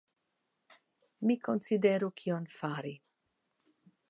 Mi konsideru kion fari.